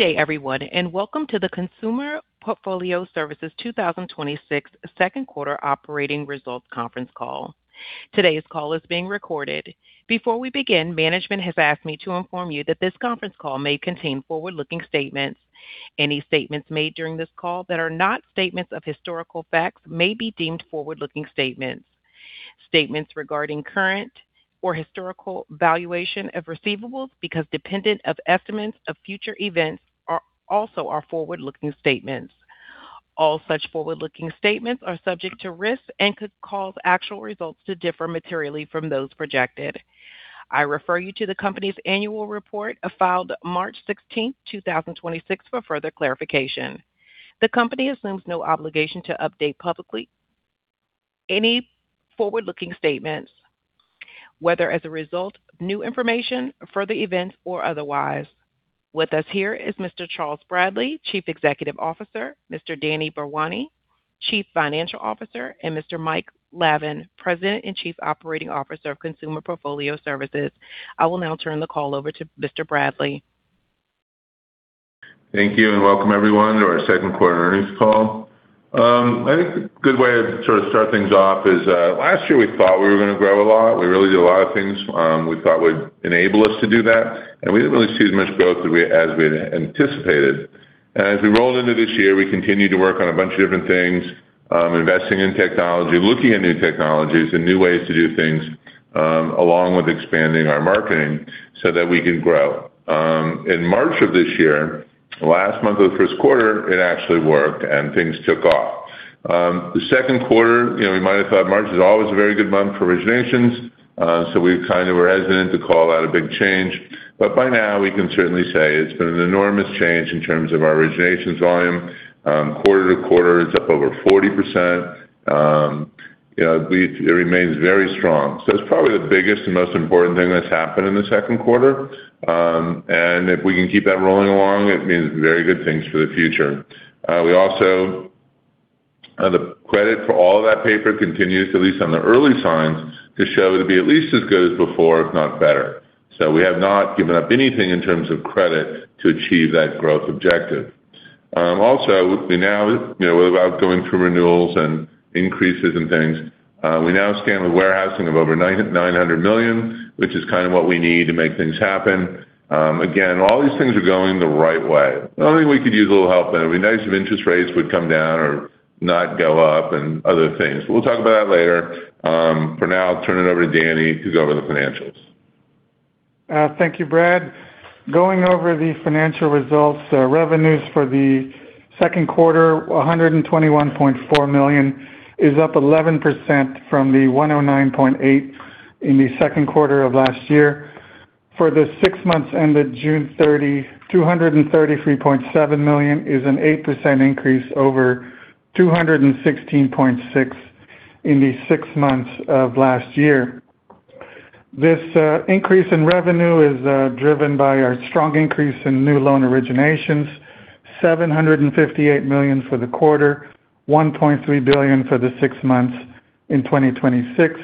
Good day, everyone, and welcome to the Consumer Portfolio Services 2026 second quarter operating results conference call. Today's call is being recorded. Before we begin, management has asked me to inform you that this conference call may contain forward-looking statements. Any statements made during this call that are not statements of historical facts may be deemed forward-looking statements. Statements regarding current or historical valuation of receivables, because dependent on estimates of future events, are also our forward-looking statements. All such forward-looking statements are subject to risks and could cause actual results to differ materially from those projected. I refer you to the company's annual report filed March 16th, 2026, for further clarification. The company assumes no obligation to update publicly any forward-looking statements, whether as a result of new information, further events, or otherwise. With us here is Mr. Charles Bradley, Chief Executive Officer, Mr. Danny Bharwani, Chief Financial Officer, and Mr. Mike Lavin, President and Chief Operating Officer of Consumer Portfolio Services. I will now turn the call over to Mr. Bradley. Thank you, welcome everyone to our second quarter earnings call. I think a good way to start things off is, last year, we thought we were going to grow a lot. We really did a lot of things we thought would enable us to do that, we didn't really see as much growth as we had anticipated. As we rolled into this year, we continued to work on a bunch of different things, investing in technology, looking at new technologies and new ways to do things, along with expanding our marketing so that we can grow. In March of this year, last month of the first quarter, it actually worked, things took off. The second quarter, we might have thought March is always a very good month for originations, we kind of were hesitant to call out a big change. By now, we can certainly say it's been an enormous change in terms of our originations volume. Quarter-to-quarter, it's up over 40%. It remains very strong. It's probably the biggest and most important thing that's happened in the second quarter. If we can keep that rolling along, it means very good things for the future. The credit for all of that paper continues, at least on the early signs, to show to be at least as good as before, if not better. We have not given up anything in terms of credit to achieve that growth objective. Also, without going through renewals and increases and things, we now stand with warehousing of over $900 million, which is kind of what we need to make things happen. Again, all these things are going the right way. The only thing we could use a little help in, it'd be nice if interest rates would come down or not go up and other things. We'll talk about that later. For now, I'll turn it over to Danny to go over the financials. Thank you, Brad. Going over the financial results, revenues for the second quarter, $121.4 million, is up 11% from the $109.8 million in the second quarter of last year. For the six months ended June 30, $233.7 million is an 8% increase over $216.6 million in the six months of last year. This increase in revenue is driven by our strong increase in new loan originations, $757 million for the quarter, $1.3 billion for the six months in 2026,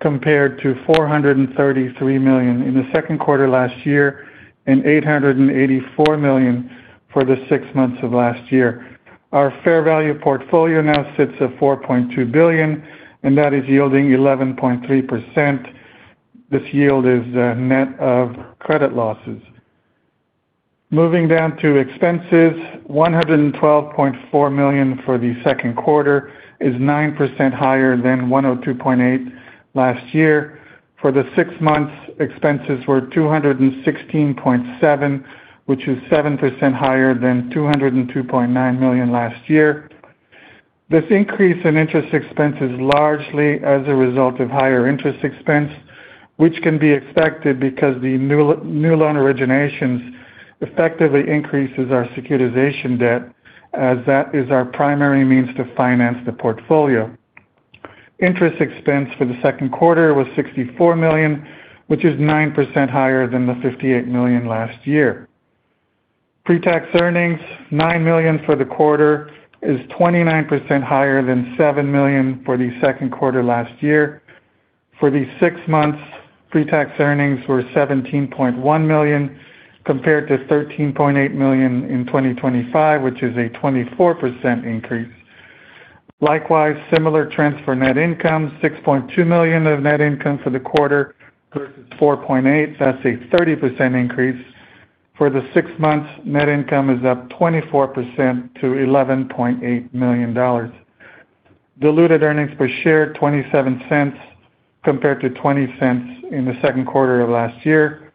compared to $433 million in the second quarter last year and $884 million for the six months of last year. Our fair value portfolio now sits at $4.2 billion, and that is yielding 11.3%. This yield is net of credit losses. Moving down to expenses, $112.4 million for the second quarter is 9% higher than $102.8 million last year. For the six months, expenses were $216.7 million, which is 7% higher than $202.9 million last year. This increase in interest expense is largely as a result of higher interest expense, which can be expected because the new loan originations effectively increases our securitization debt, as that is our primary means to finance the portfolio. Interest expense for the second quarter was $64 million, which is 9% higher than the $58 million last year. Pre-tax earnings, $9 million for the quarter, is 29% higher than $7 million for the second quarter last year. For the six months, pre-tax earnings were $17.1 million, compared to $13.8 million in 2025, which is a 24% increase. Likewise, similar trends for net income, $6.2 million of net income for the quarter versus $4.8 million. That's a 30% increase. For the six months, net income is up 24% to $11.8 million. Diluted earnings per share, $0.27 compared to $0.20 in the second quarter of last year.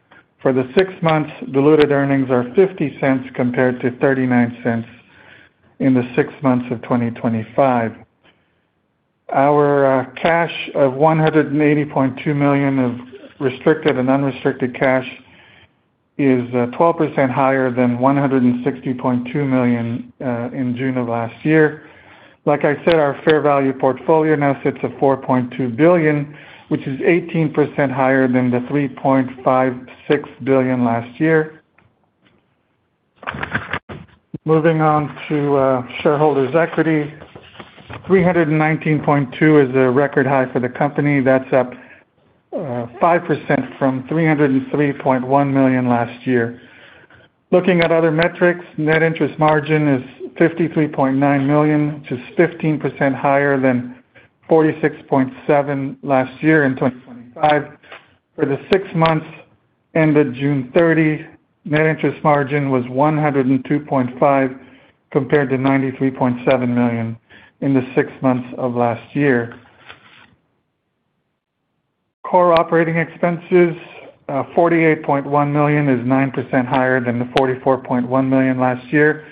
For the six months, diluted earnings are $0.50 compared to $0.39 in the six months of 2025. Our cash of $180.2 million of restricted and unrestricted cash is 12% higher than $160.2 million in June of last year. Like I said, our fair value portfolio now sits at $4.2 billion, which is 18% higher than the $3.56 billion last year. Moving on to shareholders' equity, $319.2 million is a record high for the company. That's up 5% from $303.1 million last year. Looking at other metrics, net interest margin is $53.9 million, which is 15% higher than $46.7 million last year in 2025. For the six months ended June 30, net interest margin was $102.5 million, compared to $93.7 million in the six months of last year. Core operating expenses, $48.1 million is 9% higher than the $44.1 million last year.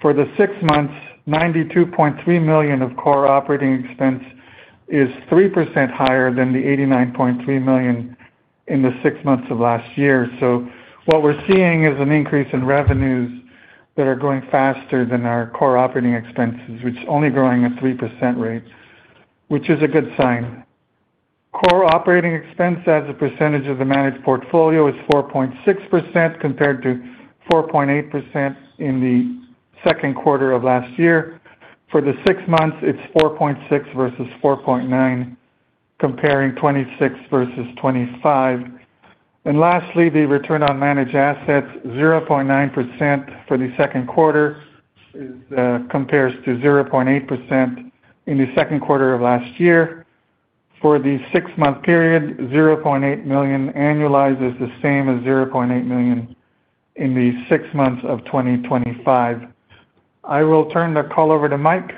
For the six months, $92.3 million of core operating expense is 3% higher than the $89.3 million in the six months of last year. What we're seeing is an increase in revenues that are growing faster than our core operating expenses, which is only growing at 3% rate, which is a good sign. Core operating expense as a percentage of the managed portfolio is 4.6%, compared to 4.8% in the second quarter of last year. For the six months, it's 4.6% versus 4.9%, comparing 2026 versus 2025. Lastly, the return on managed assets, 0.9% for the second quarter, compares to 0.8% in the second quarter of last year. For the six-month period, [0.8%] annualizes the same as $0.8%] in the six months of 2025. I will turn the call over to Mike.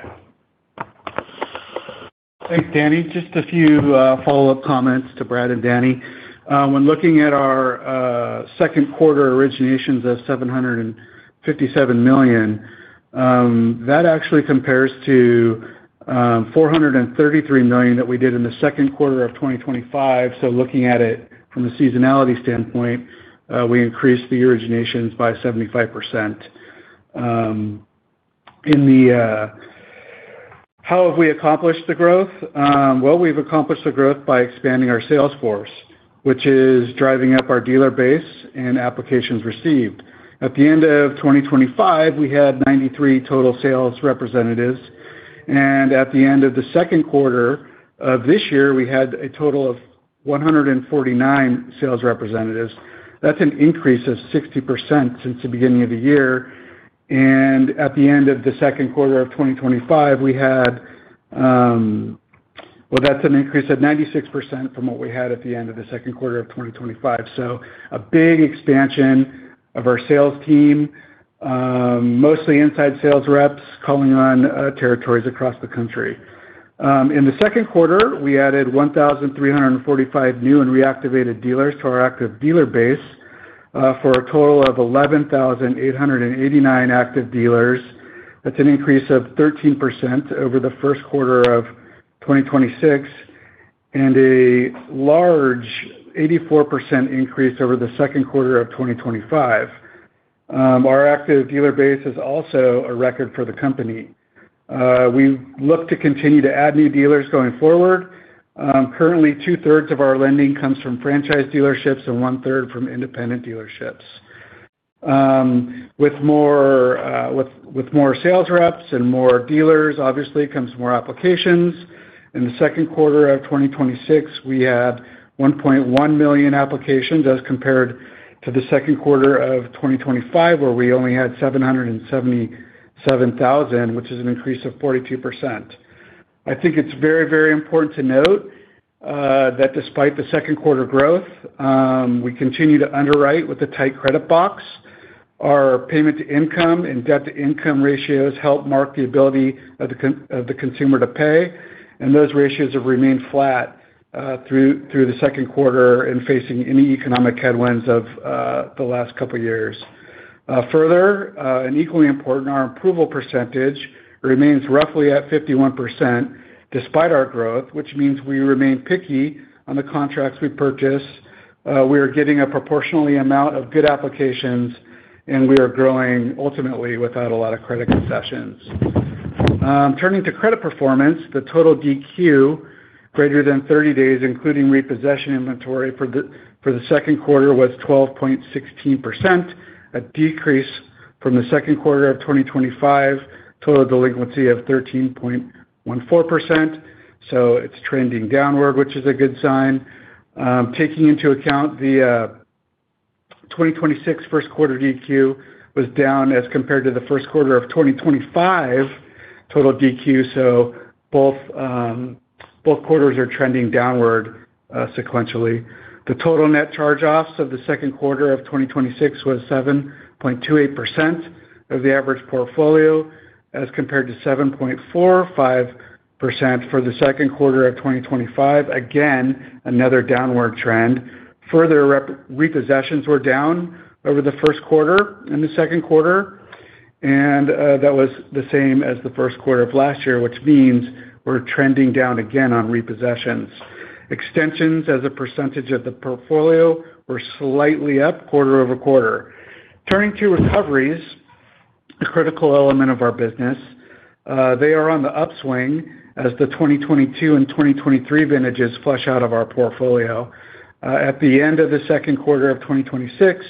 Thanks, Danny. Just a few follow-up comments to Brad and Danny. When looking at our second quarter originations of $757 million, that actually compares to $433 million that we did in the second quarter of 2025. Looking at it from a seasonality standpoint, we increased the originations by 75%. How have we accomplished the growth? Well, we've accomplished the growth by expanding our sales force, which is driving up our dealer base and applications received. At the end of 2025, we had 93 total sales representatives, and at the end of the second quarter of this year, we had a total of 149 sales representatives. That's an increase of 60% since the beginning of the year. At the end of the second quarter of 2025, we had, well, that's an increase of 96% from what we had at the end of the second quarter of 2025. A big expansion of our sales team, mostly inside sales reps calling on territories across the country. In the second quarter, we added 1,345 new and reactivated dealers to our active dealer base for a total of 11,889 active dealers. That's an increase of 13% over the first quarter of 2026 and a large 84% increase over the second quarter of 2025. Our active dealer base is also a record for the company. We look to continue to add new dealers going forward. Currently, 2/3 of our lending comes from franchise dealerships and 1/3 from independent dealerships. With more sales reps and more dealers, obviously, comes more applications. In the second quarter of 2026, we had 1.1 million applications as compared to the second quarter of 2025, where we only had 777,000 applications, which is an increase of 42%. I think it's very, very important to note that despite the second quarter growth, we continue to underwrite with a tight credit box. Our payment to income and debt-to-income ratios help mark the ability of the consumer to pay, and those ratios have remained flat through the second quarter and facing any economic headwinds of the last couple of years. Further, and equally important, our approval percentage remains roughly at 51% despite our growth, which means we remain picky on the contracts we purchase. We are getting a proportional amount of good applications, and we are growing ultimately without a lot of credit concessions. Turning to credit performance, the total DQ greater than 30 days, including repossession inventory for the second quarter, was 12.16%, a decrease from the second quarter of 2025 total delinquency of 13.14%. It's trending downward, which is a good sign. Taking into account the 2026 first quarter DQ was down as compared to the first quarter of 2025 total DQ. Both quarters are trending downward sequentially. The total net charge-offs of the second quarter of 2026 was 7.28% of the average portfolio as compared to 7.45% for the second quarter of 2025. Again, another downward trend. Further, repossessions were down over the first quarter and the second quarter, and that was the same as the first quarter of last year, which means we're trending down again on repossessions. Extensions as a percentage of the portfolio were slightly up quarter-over-quarter. Turning to recoveries, a critical element of our business. They are on the upswing as the 2022 and 2023 vintages flush out of our portfolio. At the end of the second quarter of 2026,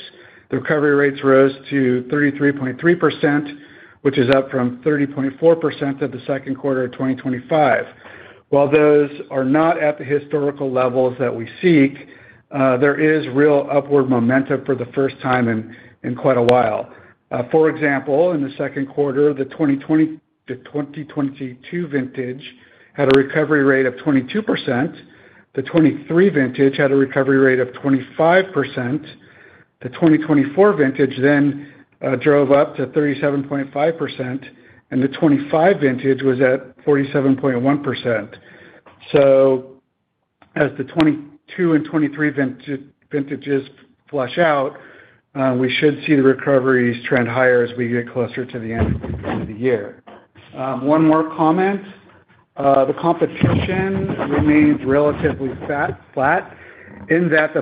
the recovery rates rose to 33.3%, which is up from 30.4% of the second quarter of 2025. While those are not at the historical levels that we seek, there is real upward momentum for the first time in quite a while. For example, in the second quarter, the 2020 to 2022 vintage had a recovery rate of 22%. The 2023 vintage had a recovery rate of 25%. The 2024 vintage drove up to 37.5%, and the 2025 vintage was at 47.1%. As the 2022 and 2023 vintages flush out, we should see the recoveries trend higher as we get closer to the end of the year. One more comment. The competition remains relatively flat in that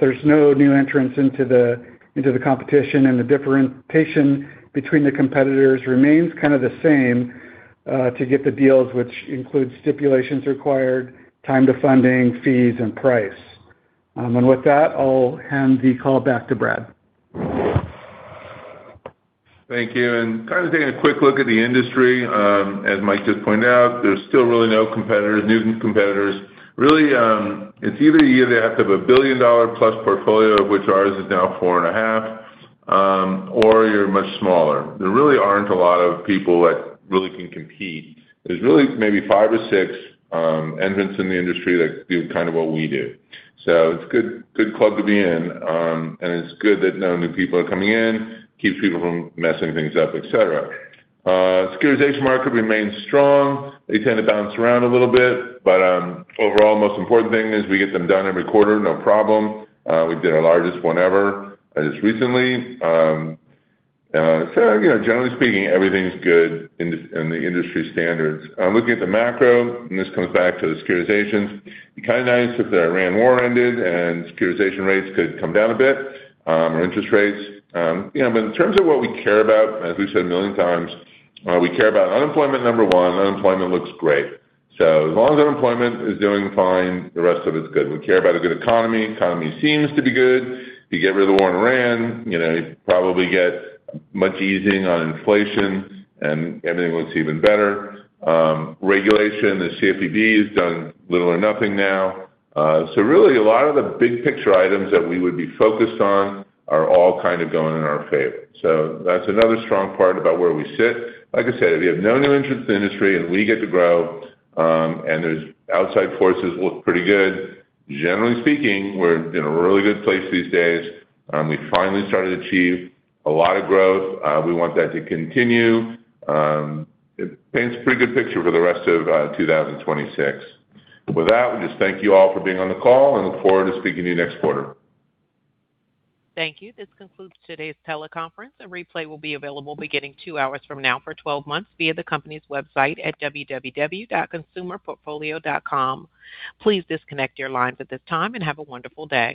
there's no new entrants into the competition, and the differentiation between the competitors remains kind of the same to get the deals, which include stipulations required, time to funding, fees, and price. With that, I'll hand the call back to Brad. Thank you. Kind of taking a quick look at the industry, as Mike just pointed out, there's still really no competitors, new competitors. Really, it's either you have to have a billion-dollar-plus portfolio, of which ours is now four and a half, or you're much smaller. There really aren't a lot of people that really can compete. There's really maybe five or six entrants in the industry that do kind of what we do. It's a good club to be in. It's good that no new people are coming in. Keeps people from messing things up, et cetera. Securitization market remains strong. They tend to bounce around a little bit, but overall, most important thing is we get them done every quarter, no problem. We did our largest one ever just recently. Generally speaking, everything's good in the industry standards. Looking at the macro, This comes back to the securitizations, it'd be kind of nice if the Iran war ended or securitization rates could come down a bit, or interest rates. In terms of what we care about, as we've said a million times, we care about unemployment, number one. Unemployment looks great. As long as unemployment is doing fine, the rest of it's good. We care about a good economy. Economy seems to be good. If you get rid of the war in Iran, you probably get much easing on inflation, and everything looks even better. Regulation, the CFPB has done little or nothing now. Really, a lot of the big picture items that we would be focused on are all kind of going in our favor. That's another strong part about where we sit. Like I said, if you have no new entrants to the industry, We get to grow, Those outside forces look pretty good, generally speaking, we're in a really good place these days. We finally started to achieve a lot of growth. We want that to continue. It paints a pretty good picture for the rest of 2026. With that, we just thank you all for being on the call and look forward to speaking to you next quarter. Thank you. This concludes today's teleconference. A replay will be available beginning two hours from now for 12 months via the company's website at www.consumerportfolio.com. Please disconnect your lines at this time and have a wonderful day.